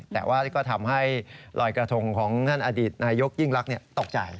แต่ว่าก็ทำให้ลอยกระทงของท่านอดีตนายกยิ่งลักษณ์ตกใจ